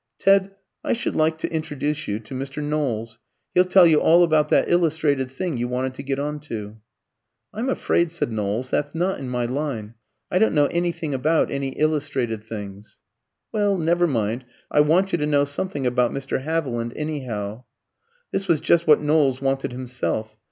"Ted, I should like to introduce you to Mr. Knowles. He'll tell you all about that illustrated thing you wanted to get on to." "I'm afraid," said Knowles, "that's not in my line: I don't know anything about any illustrated things." "Well, never mind; I want you to know something about Mr. Haviland, anyhow." This was just what Knowles wanted himself.